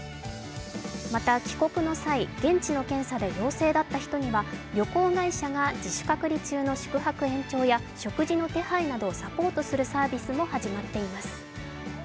また、帰国の際、現地の検査で陽性だった人には旅行会社が自主隔離中の宿泊延長や食事の手配などをサポートするサービスも始まっています。